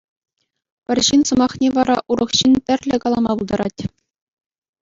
Пӗр ҫын сӑмахне вара урӑх ҫын тӗрлӗ калама пултарать.